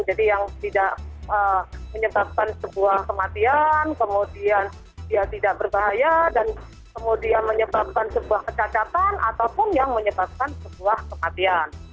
jadi yang tidak menyebabkan sebuah kematian kemudian dia tidak berbahaya dan kemudian menyebabkan sebuah kecacatan ataupun yang menyebabkan sebuah kematian